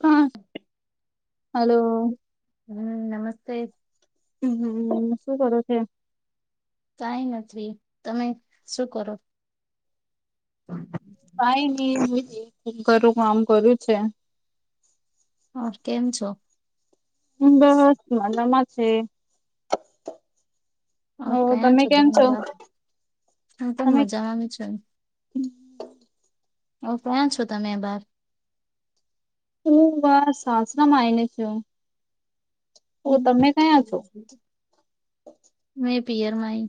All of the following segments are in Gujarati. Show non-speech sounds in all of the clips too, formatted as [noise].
હ હલો હમ નમસ્તે હમ હમ શું કરો છો? કઈ નથી તમે શું કરો [inaudible] કઈ ની ઘરું કામ કર્યું છે. હ કેમ છો? બસ મજામાં છે. ર ઓ કયાં તમે છો કેમ ધમ બા ત પણ તમે મજામાં છે. ઓ ફન્ છો તમે બાર હું વા સાસરામાં આવીને છું ઓ તમે કયા છો મેં પિયર માં આઈ.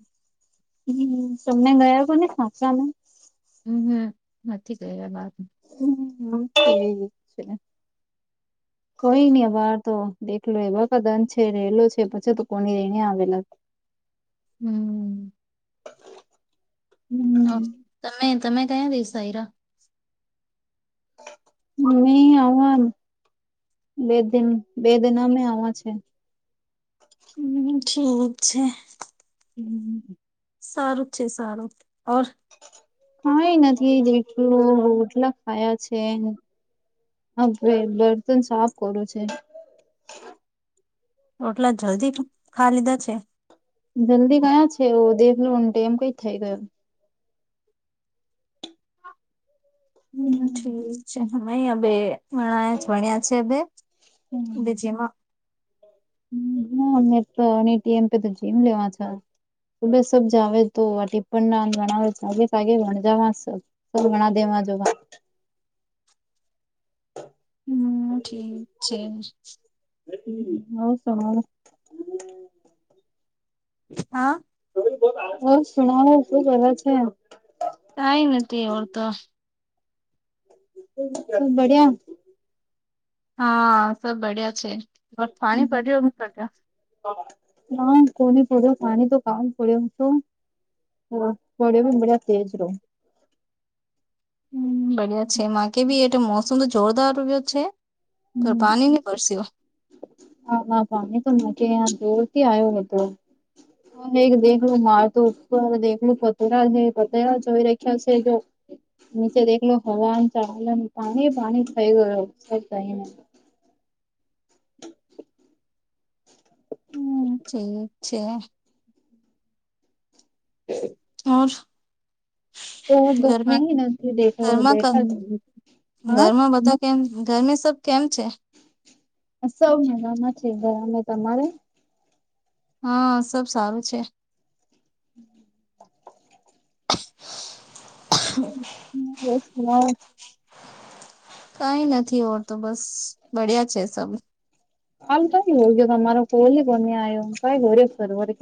હમ તમને ગયા કો ને સાચાને હમ હમ નથી ગ્યા બાત હમ હ તે છેને કોઈ નહી અ બાર તો દેખલો એ વખત અંધ છે રહેેલો છે પછી તો કોની રને આવેલા હમ. ઓ હમ તમે તમે કયા વિસઈરા? મે આણંદ [unintelligible] બે દ બે દન અમે આવા છે. હમ ઠીક છે. હમ. સારું છે સારુંર ઓર કઈ નથી જેટલું રોટલા ખાયા છે. હા ભવે બર્તન સાફ કરું છે. રોટલા જલ્દી ખા લીધા છે. જલ્દી ક્યાં છે રોજેનો ટેઈમ થઈ ગયો. હમ. ઠીક છે હય અ બે વણ જ ભણ્યા છે બે, બ જેમાં હા મેં તો એની ટી એમ પે તો જીમ લેવા છો. લે સબ જ આવે તો ટ પણ ના ગણાવેગેગે ગણજાવવા [unintelligible] સ ઘણા દેવા જોગ. હમ ઠીક છે. હ હવસ [unintelligible] હા. ઓ સુણવ તું બરા છે. કઈ નથી એવુ તો. ખૂબ બળિયા. હા સબ બડિયા છે, પાણી પડ્યો પ્યો? ના કોની પડ્યો પાણી તો કામ પડ્યો હતો. હા મોડ બબડી તેજરો. હમ બડિયા છે મા કે ભી એ તો મોસમ તો જોરદારયો છે. તો હમ પાણી નની પરસીઓ. હા હ ભમી તો જોરથી આવ્યો ને તો. હે દેખલું માર તો ઉપર દેખલું પતરા છે પતરા ચોવી રખ્યા છે જો. નીચે દેખલો હવાન ચળનું પાણી પાણી થઈ ગું થઈ. [inaudible] હ ઠીક છે. [unintelligible] તો ગરમી દુકાની નથી દેખો ઘરમાં બેઠા છે. હા ઘરમાં બધા [unintelligible] ઘર મે સબ કેમ છે? સબ મજામાં છે ઘરમાં તમારે? હા સબ સારું છે. હમ [inaudible] [inaudible] હ બ [unintelligible] કઈ નથી ઓતું બસ બડિયા છે સબ. હાલ તો હોજ તમારો કોલ કોને આવ્યો કઈ ગર્યોર ક.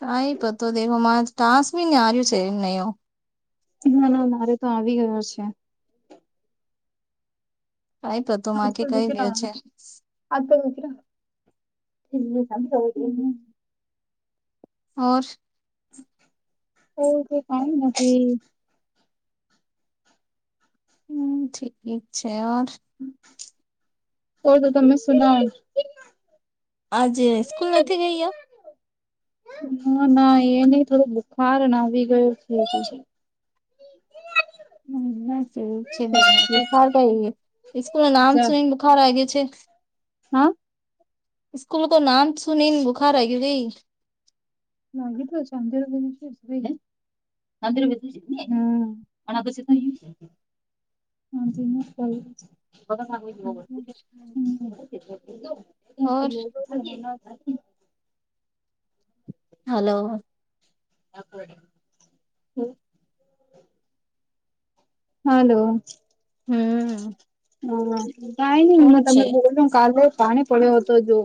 તાઈ પતો દેખો મા ટાંસ બી ની આાર્યું છે એમ નયો. ના ના મારે તો આવી ગયો છે. કઈ તો તું માકી કઈ દ્યો છે. આ તો હોરા એ હો [unintelligible] ઓર, ઓર તો કાઈ નથી. હમ ઠીક છે ઓર, ઔર તો તમે સુનાઓ. આજે સ્કૂલ નથી ગઈયા. ના ના એ નહી થોડું બુખાર ને આવી ગયું છે પછી, [unintelligible] બુખારવું છે સ્કૂલ નો નામ સુનેન બુખાર આઇ ગયો છે. હા, સ્કૂલ તો નામ સુની ને બુખાર આઇહ ગયું કઈ. લાગીટ ચાદરગ ભાઈ [unintelligible] હે અંદરધું અને પછી તો હી, આજે [unintelligible] બગ સ ઓર બ [unintelligible] હલો, આપ આપડે [unintelligible] હલો, હમ, હ કાઈ નહી હું કોણ છે તમે બોલ રહ્યો કાલરો પાણી પડ્યો હતો જો,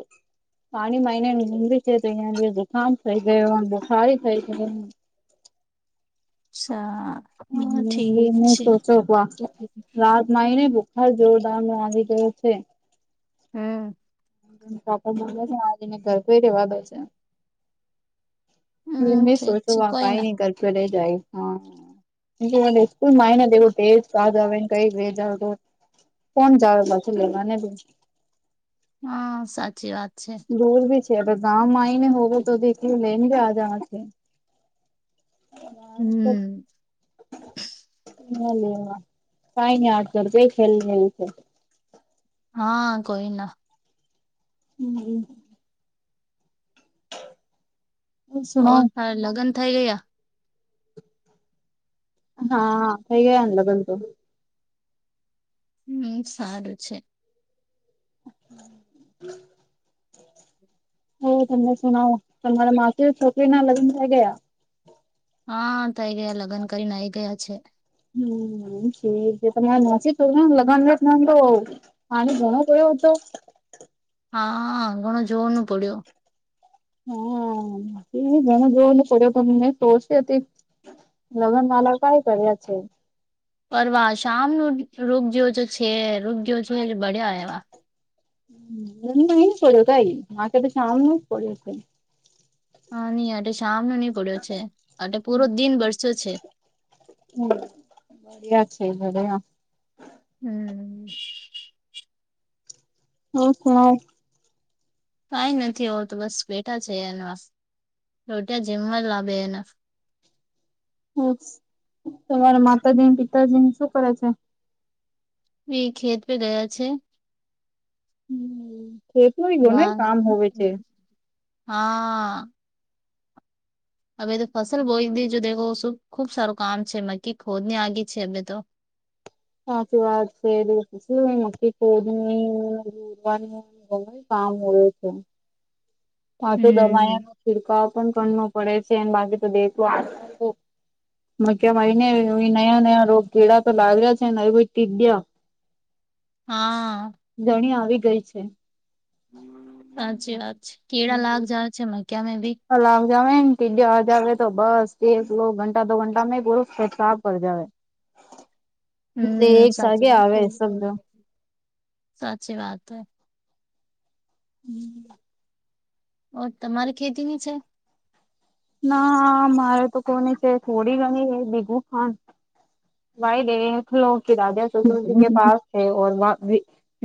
પાણી મહિના ની લંબી છે તો અહિયાં જે જુકામ થઈ ગયો બુખારી થઈ ગયો. અચ્છા. હ ઠીક હમ એ છે સોચવા રાત, માહી ને બુખાર જેવો [unintelligible] આવી ગયો છે. હમ, પાપ બ છે આજને ઘર કઈ રેવા દે છે. હ હમ મે ઠીક સોચો છે વા કોઈ કઈ ના નઈ કરત લે જાય. હા મેં કહ્યું વનડે સ્કૂલમાંને દેખો તેજ ફાસ્ટ આવે ને કંઈક વે જાય તો, કોણ જાવે પાછું લેવાને પછી, હા સાચી વાત છે. રોર ભી છે હવે ગામમાં આવીને હોવો તો એક દી લઈને બી આજવા છે. હમ [unintelligible] એ કઈ ની આડ કર [unintelligible] ક ખેલ લીવ છે. હા કોઈ ના, હમમ, ઓર સુનાઓ થારે લગ્ન થઈ ગયા. હા થઈ ગયા લગ્ન તો, હમ સારું છે. હ તમને સુણવો તમારા માસી રી છોકરી ના લગ્ન થઈ ગયા. હા થઈ ગયા લગ્ન કરીને આઈ ગયા છે. હમ ઠીક છે તમારી માસી રી છોકરી રા લગન [unintelligible] તો, પાણી ઘણો ભર્યો હતો. હા ઘણો જોરનું પડ્યો. હા ઘણા જોવાનું પડ્યો તો મૈ સોચતી હતી. લગન માલા કાઇ કરીયા છે. પર વા શામનું રોગ જેવું તો છે રોગ જેવ છે જો બળ્યા હે વા, એ પડ્યો કાઈ મા કે તો સામનું જ પડ્યો છે. હા, નહી, આ શમનો નહી પડ્યો છે, આ પૂરો દિન બરસ્યો છે. હ છે, જડ. હમ. હમ. કઈ નથી આવ, તો બસ બેઠા છે, એના રોટિયા જેમવા જ લાગે એના. હોય, તમારા માતાજી-પિતાજીને શું કરે છે? બ ખેત પે ગયા છે. [unintelligible] હ ખેત નઈ ગો ન વા કામ હ છે [unintelligible] હા. હવે તો ફસલ બોઈ દીજું દેખ ખુબ સારું કામ છે, મકી ખોદ ની આગી છે હવે તો. હચું વા છે, એ મ કોદમ રરવાની [unintelligible] કામ રહે છે. પાછું દવાયા હમ નો છિડકાવ પણ કરો પડે છે, બાકી તો દે. મ કેમયને નયા નયા રોગ કેેળા તો લાગ્યા છે ને, એભી ગયા. હા. ઘણી આવી ગઈ છે. સાચી વાત કેળા લાગી જાય છે, એમાં કેમે ભી કલ લાગ જાવ ટીડીે આજવે તો બસ એક ઘંટા દો ઘંટા પરો ફેસાફ કરજવે [unintelligible] [unintelligible] એક સાચી સાથેે વાત આવે, શબજ. સાચી વાત હૈ. હમ. ઓ તમારી ખેતી ની છે. ના મારે તો કોની છે, થોડી ઘણી બીઘું ખાન વાઈ દે, નોકી દ્યા સસરજી કે પા.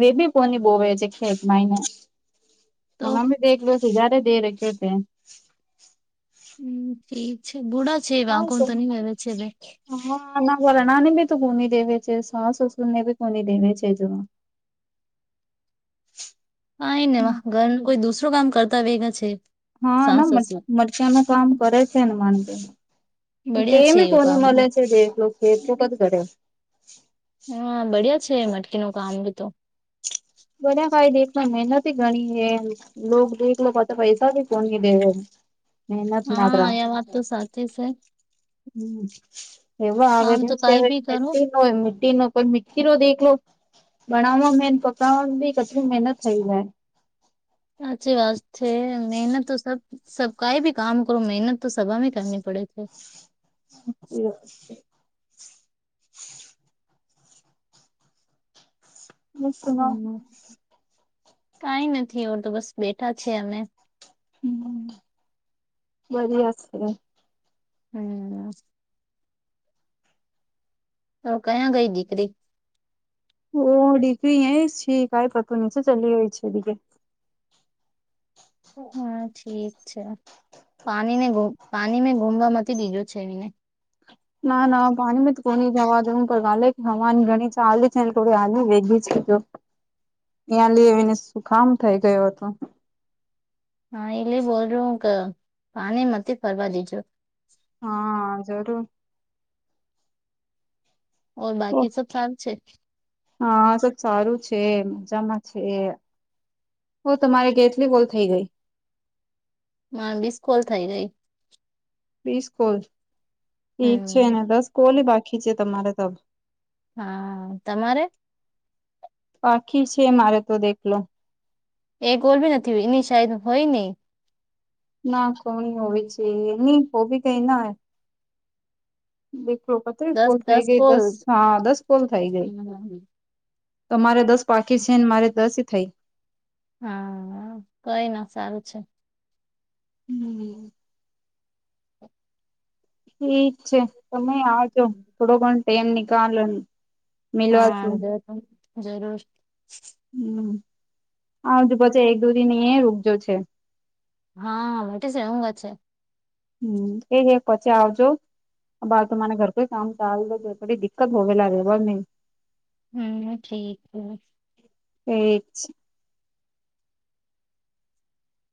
વબી કોની બોવે છે, ખ તો એકમાંને દેખ લો સજારે દે રખ છે. હમ ઠીક છે, થોડા. હા સને. હા, ના વર્ણા ને બી તો ગૂની દેવે છે, સાસસુર ને બી ગુની દેવે છે જોવા. કા ને ઘર કોઈ દુસરો કામ કરતા વેગા છે. હા, સાસ ના સસુર મરચિયા ન કામ કરે છે ને, માનમાં. તે બડિયા છે મી એવું કોને કામ બી. મલા છે, જેે લો કે તું કત ઘે [unintelligible] હા બડિયા છે, મટકીનું કામ બી તો. બધ ફાઈ દે, એકમાં મહેનત ગણી છે એમ. લો દેખ લો, પતા પૈસા ભી કોન દેવે. મહેનત હા, નાદરા એ વાત તો સાચી છે. હમ, એવા આમ તો આવેવા. કઈ બી કરો હોય મીનો, કોઈ મીટી નો દેખ લો. બનાવામાં મેન પકડવાવામાં બી કેટલી મહેનત થઈ જાય. સાચી વાત છે, મેહેનત તો સબ સબ કઈ ભી કામ કરો, મહેનત તો સભામાં કરની પડે છે. એ. હમ કઈ નથી, એ તો બસ બેઠા છે અમે. હમ, બધા છે. હમ. તો કયા ગઈ દીકરી? ઓહ ડી એ શીકાય પત ની છે ચલી ગઈ છે દગ [unintelligible] હ. હા ઠીક છે, પાણીને પાણીને ગુમવા મતી દીજો છે એને. ના, ના, પાણી મેમાં તો કોની હવાજ પણે કે, હવાની ઘણી ચાલ છે, હાલ વેગી છે. હ [unintelligible] ત્યાં લે આવીને શુંખામ થઈ ગયો હતો. હા, એલે બોલું હ કે, પાણી મથી ફરવા દેજો. હા, જરૂર. ઓર બાકી સ કામ છે. હા, તો સારું છે, મજામાં છે. હ, તમારે ગે એટલી બોલ થઇ ગઈ. મા મિસ્કોલ થઈ ગઈ. બીસ કોલ ઠીક છે, હમ અને દસ કોલ બાકી છે, તમારે ત હા, તમારે? બાખી છે, મારે તો દેખલો. એ ગોલ બી નથી હોય, એની સાઈ હોય નઈ. ના કોની હોવી છે નહી ઓવીી કઈ ના દખલો પત્રી દસ કોલ થઈ ગઈ, કોલ દસ. હા, દસ કોલ થઈ ગઈ. તો મારે દસ પાખી છે ને, મારે દસ થઈ. હા, કઈ ના સારું છે. હમ. ઠીક છે, તમે આવજો, થોડો ઘણ ટેમ નીકાલન. હા, જ જરૂર. હમ હજ પછ એક દુ દન એ રૂકજો છે હા, માટે છે, હુ અ છે. હમ, એ જ પછી આવજો. બા ત મને ઘર કામ ચાલ થોડી દિક્કત હોવે લાગે બ નહી [unintelligible] હમ, ઠીક હ. એ જ.